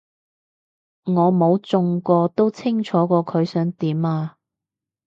我冇中過都清楚過佢想點啊